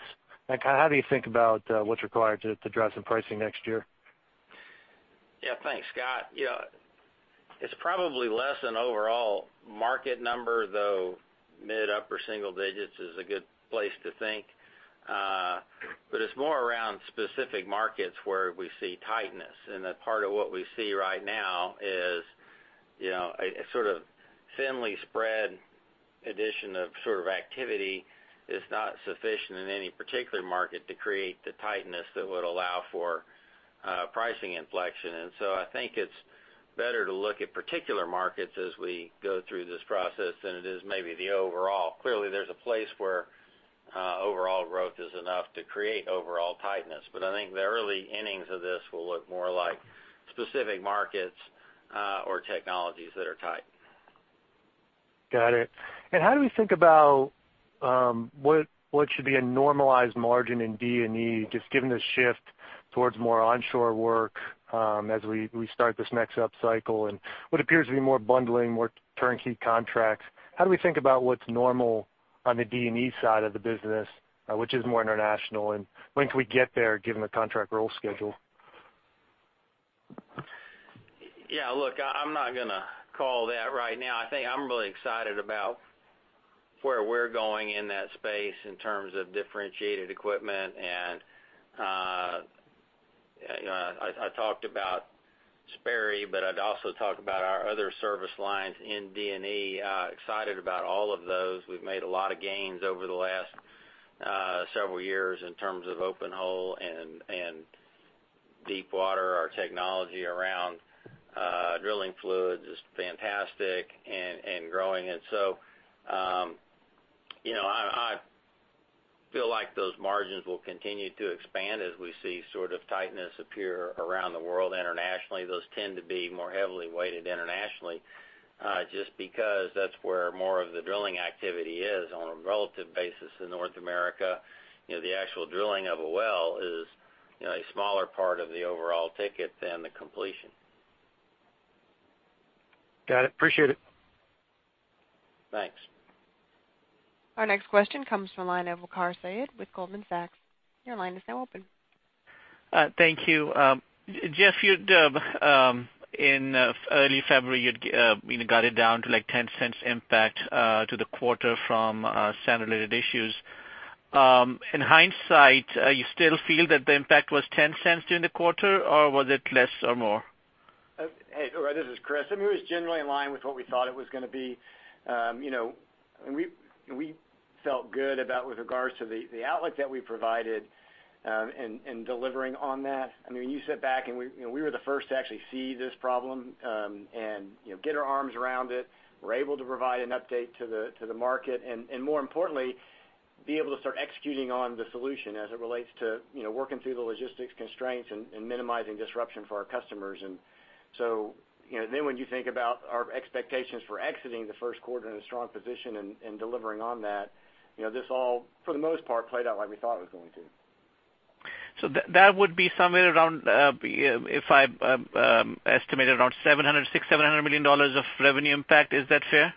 Like how do you think about what's required to drive some pricing next year? Thanks, Scott. It's probably less an overall market number, though mid-upper single digits is a good place to think. It's more around specific markets where we see tightness. A part of what we see right now is a sort of thinly spread addition of sort of activity is not sufficient in any particular market to create the tightness that would allow for pricing inflection. I think it's better to look at particular markets as we go through this process than it is maybe the overall. Clearly, there's a place where overall growth is enough to create overall tightness, but I think the early innings of this will look more like specific markets or technologies that are tight. Got it. How do we think about what should be a normalized margin in D&E, just given the shift towards more onshore work as we start this next up cycle and what appears to be more bundling, more turnkey contracts? How do we think about what's normal on the D&E side of the business, which is more international, and when can we get there given the contract roll schedule? Yeah, look, I'm not going to call that right now. I think I'm really excited about where we're going in that space in terms of differentiated equipment. I talked about Sperry, but I'd also talk about our other service lines in D&E. Excited about all of those. We've made a lot of gains over the last several years in terms of open hole and deep water. Our technology around drilling fluids is fantastic and growing. I feel like those margins will continue to expand as we see sort of tightness appear around the world internationally. Those tend to be more heavily weighted internationally, just because that's where more of the drilling activity is on a relative basis in North America. The actual drilling of a well is a smaller part of the overall ticket than the completion. Got it. Appreciate it. Thanks. Our next question comes from the line of Waqar Syed with Goldman Sachs. Your line is now open. Thank you. Jeff, in early February, you had got it down to $0.10 impact to the quarter from sand-related issues. In hindsight, you still feel that the impact was $0.10 during the quarter, or was it less or more? Hey, Waqar, this is Chris. I mean, it was generally in line with what we thought it was going to be. We felt good about with regards to the outlook that we provided and delivering on that. I mean, when you sit back and we were the first to actually see this problem and get our arms around it. We are able to provide an update to the market and, more importantly, be able to start executing on the solution as it relates to working through the logistics constraints and minimizing disruption for our customers. When you think about our expectations for exiting the Q1 in a strong position and delivering on that, this all, for the most part, played out like we thought it was going to. That would be somewhere around, if I estimated, around $600 million, $700 million of revenue impact. Is that fair?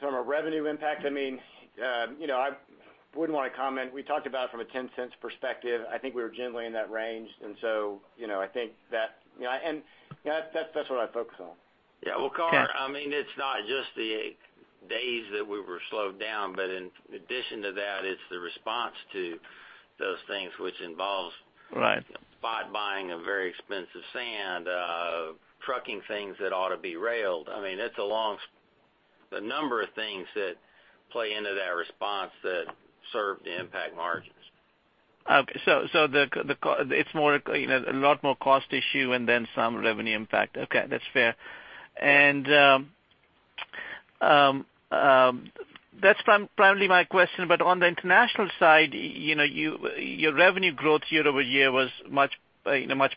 From a revenue impact, I wouldn't want to comment. We talked about it from a $0.10 perspective. I think we were generally in that range. That's what I'd focus on. Yeah. Well, Waqar, it's not just the days that we were slowed down, but in addition to that, it's the response to those things which involves. Right Spot buying a very expensive sand, trucking things that ought to be railed. I mean, the number of things that play into that response that serve to impact margins. Okay. It's a lot more cost issue and then some revenue impact. Okay. That's fair. That's primarily my question, but on the international side, your revenue growth year-over-year was much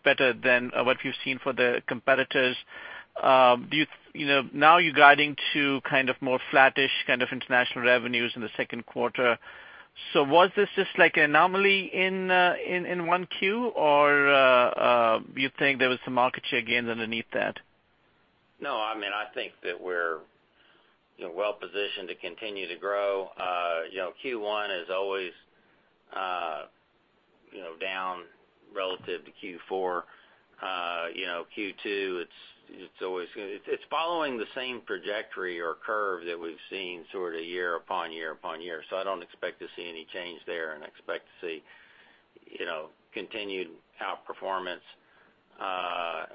better than what we've seen for the competitors. Now you're guiding to more flattish kind of international revenues in the Q2. Was this just like an anomaly in Q1, or do you think there was some market share gains underneath that? No, I think that we're well-positioned to continue to grow. Q1 is always down relative to Q4. Q2, it's following the same trajectory or curve that we've seen sort of year upon year upon year. I don't expect to see any change there and expect to see continued outperformance,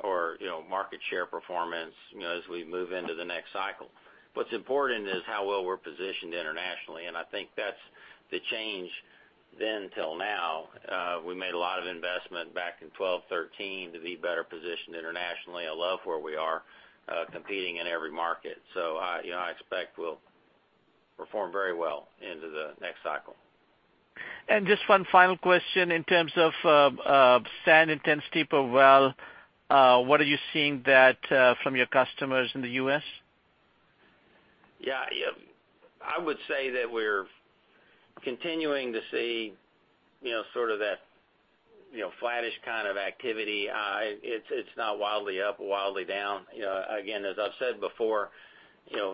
or market share performance, as we move into the next cycle. What's important is how well we're positioned internationally, and I think that's the change then till now. We made a lot of investment back in 2012, 2013 to be better positioned internationally. I love where we are competing in every market. I expect we'll perform very well into the next cycle. Just one final question in terms of sand intensity per well, what are you seeing from your customers in the U.S.? Yeah. I would say that we're continuing to see sort of that flattish kind of activity. It's not wildly up or wildly down. Again, as I've said before,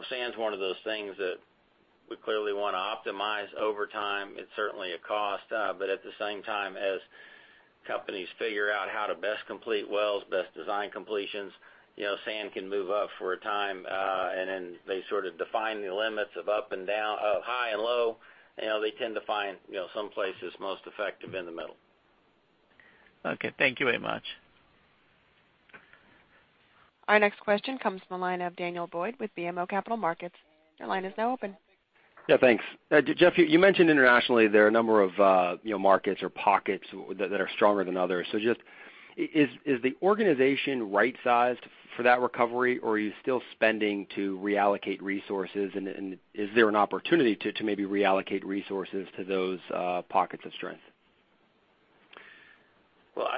sand's one of those things that we clearly want to optimize over time. It's certainly a cost, but at the same time, as companies figure out how to best complete wells, best design completions, sand can move up for a time, and then they sort of define the limits of high and low. They tend to find some places most effective in the middle. Okay. Thank you very much. Our next question comes from the line of Daniel Boyd with BMO Capital Markets. Your line is now open. Yeah, thanks. Jeff, you mentioned internationally there are a number of markets or pockets that are stronger than others. Just is the organization right-sized for that recovery, or are you still spending to reallocate resources, and is there an opportunity to maybe reallocate resources to those pockets of strength? Well,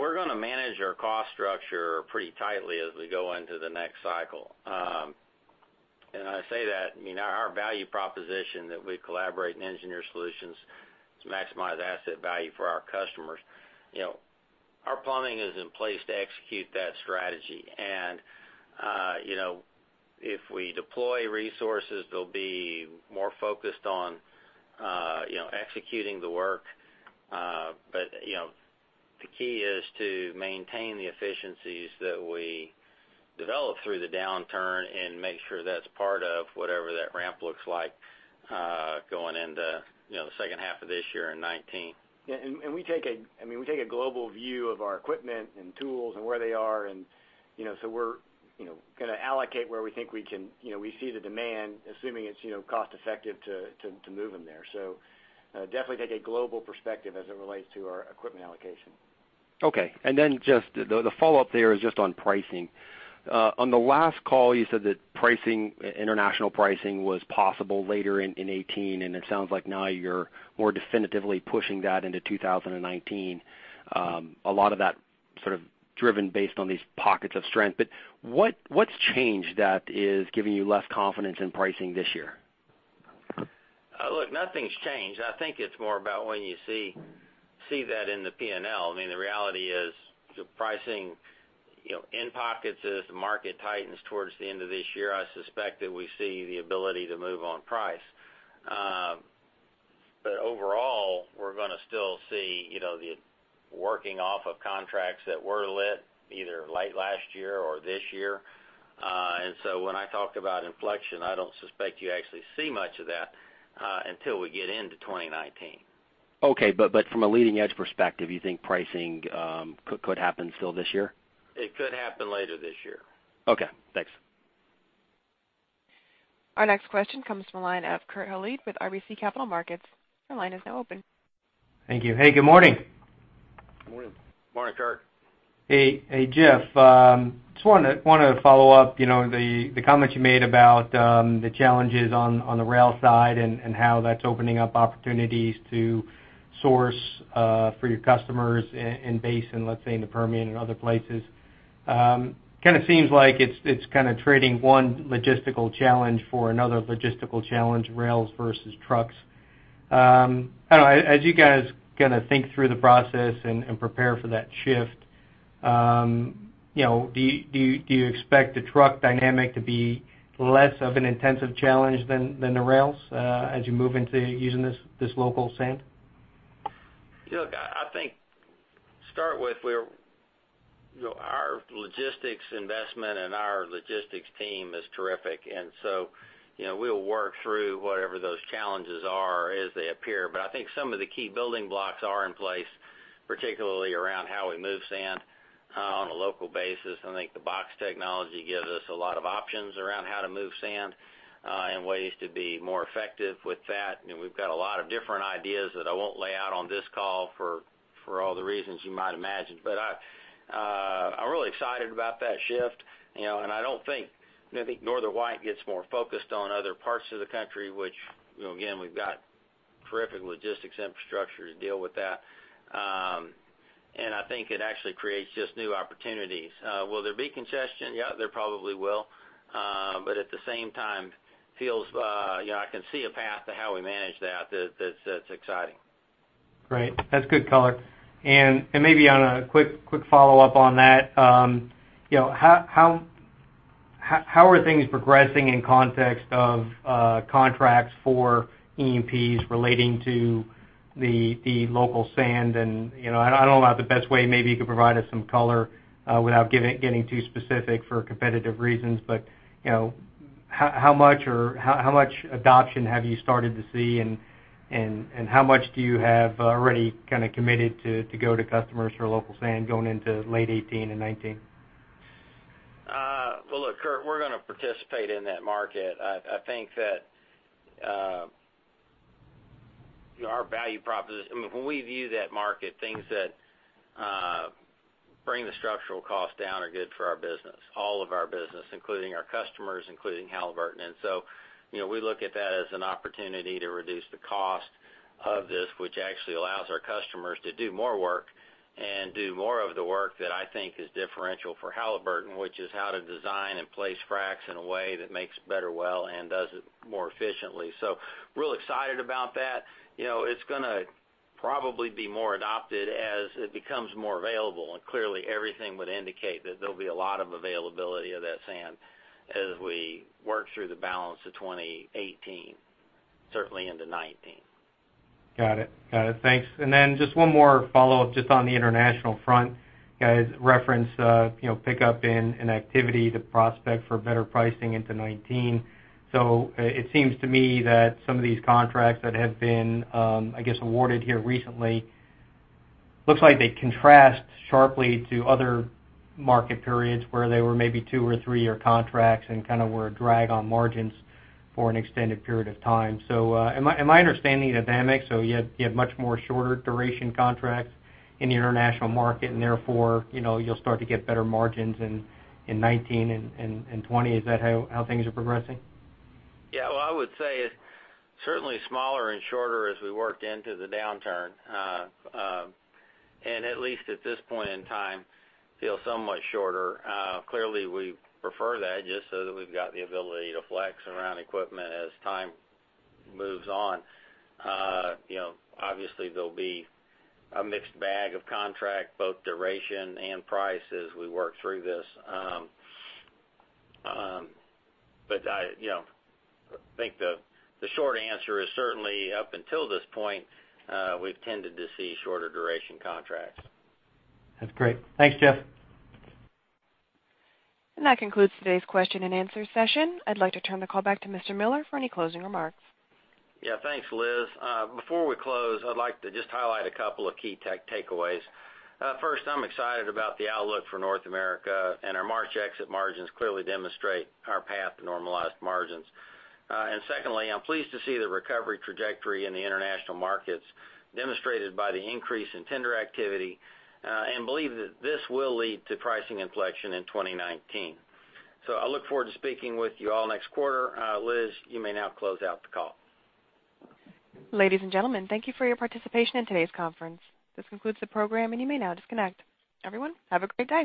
we're going to manage our cost structure pretty tightly as we go into the next cycle. I say that, our value proposition that we collaborate and engineer solutions to maximize asset value for our customers. Our plumbing is in place to execute that strategy, and if we deploy resources, they'll be more focused on executing the work. The key is to maintain the efficiencies that we developed through the downturn and make sure that's part of whatever that ramp looks like going into the second half of this year in 2019. Yeah. We take a global view of our equipment and tools and where they are, we're going to allocate where we think we see the demand, assuming it's cost effective to move them there. Definitely take a global perspective as it relates to our equipment allocation. Okay. Just the follow-up there is just on pricing. On the last call, you said that international pricing was possible later in 2018, and it sounds like now you're more definitively pushing that into 2019. A lot of that sort of driven based on these pockets of strength. What's changed that is giving you less confidence in pricing this year? Look, nothing's changed. I think it's more about when you see that in the P&L. The reality is the pricing in pockets as the market tightens towards the end of this year, I suspect that we see the ability to move on price. Overall, we're going to still see the working off of contracts that were lit either late last year or this year. When I talk about inflection, I don't suspect you actually see much of that until we get into 2019. Okay. From a leading edge perspective, you think pricing could happen still this year? It could happen later this year. Okay, thanks. Our next question comes from the line of Kurt Hallead with RBC Capital Markets. Your line is now open. Thank you. Hey, good morning. Good morning. Morning, Kurt. Hey, Jeff. Just wanted to follow up the comment you made about the challenges on the rail side and how that's opening up opportunities to source for your customers in basin, let's say in the Permian and other places. Kind of seems like it's kind of trading one logistical challenge for another logistical challenge, rails versus trucks. I don't know. As you guys kind of think through the process and prepare for that shift, do you expect the truck dynamic to be less of an intensive challenge than the rails as you move into using this local sand? Look, I think to start with, our logistics investment and our logistics team is terrific, so we'll work through whatever those challenges are as they appear. I think some of the key building blocks are in place, particularly around how we move sand. On a local basis, I think the box technology gives us a lot of options around how to move sand, and ways to be more effective with that. We've got a lot of different ideas that I won't lay out on this call for all the reasons you might imagine. I'm really excited about that shift, and I don't think Northern White gets more focused on other parts of the country, which, again, we've got terrific logistics infrastructure to deal with that. I think it actually creates just new opportunities. Will there be congestion? Yeah, there probably will. At the same time, I can see a path to how we manage that's exciting. Great. That's good color. Maybe on a quick follow-up on that. How are things progressing in context of contracts for E&Ps relating to the local sand? I don't know about the best way maybe you could provide us some color, without getting too specific for competitive reasons. How much adoption have you started to see, and how much do you have already kind of committed to go to customers for local sand going into late 2018 and 2019? Well, look, Kurt, we're going to participate in that market. I think that our value proposition when we view that market, things that bring the structural cost down are good for our business, all of our business, including our customers, including Halliburton. We look at that as an opportunity to reduce the cost of this, which actually allows our customers to do more work and do more of the work that I think is differential for Halliburton. Which is how to design and place fracs in a way that makes a better well and does it more efficiently. Real excited about that. It's going to probably be more adopted as it becomes more available. Clearly everything would indicate that there'll be a lot of availability of that sand as we work through the balance of 2018, certainly into 2019. Got it. Thanks. Then just one more follow-up just on the international front. You guys referenced pickup in activity, the prospect for better pricing into 2019. It seems to me that some of these contracts that have been, I guess, awarded here recently, looks like they contrast sharply to other market periods where they were maybe two or three-year contracts and kind of were a drag on margins for an extended period of time. Am I understanding the dynamic? You have much more shorter duration contracts in the international market and therefore, you'll start to get better margins in 2019 and 2020. Is that how things are progressing? Yeah. Well, I would say it's certainly smaller and shorter as we worked into the downturn. At least at this point in time, feel somewhat shorter. Clearly we prefer that just so that we've got the ability to flex around equipment as time moves on. Obviously there'll be a mixed bag of contract, both duration and price as we work through this. I think the short answer is certainly up until this point, we've tended to see shorter duration contracts. That's great. Thanks, Jeff. That concludes today's question and answer session. I'd like to turn the call back to Mr. Miller for any closing remarks. Thanks, Liz. Before we close, I'd like to just highlight a couple of key takeaways. First, I'm excited about the outlook for North America, our March exit margins clearly demonstrate our path to normalized margins. Secondly, I'm pleased to see the recovery trajectory in the international markets demonstrated by the increase in tender activity, believe that this will lead to pricing inflection in 2019. I look forward to speaking with you all next quarter. Liz, you may now close out the call. Ladies and gentlemen, thank you for your participation in today's conference. This concludes the program, and you may now disconnect. Everyone, have a great day.